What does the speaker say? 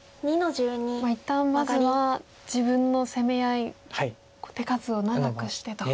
一旦まずは自分の攻め合い手数を長くしてと。